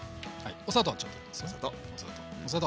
お砂糖。